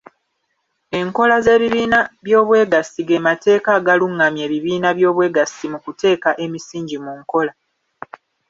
Enkola z’Ebibiina by’obwegassi ge mateeka agaluŋŋamya ebibiina by’obwegassi mu kuteeka emisingi mu nkola.